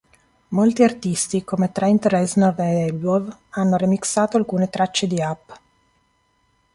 Molti artisti, come Trent Reznor e Elbow, hanno remixato alcune tracce di "Up".